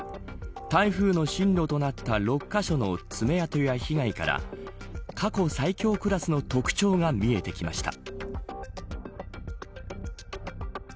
台風の進路となった６カ所の爪痕や被害から過去最強クラスの特徴が見えてきました。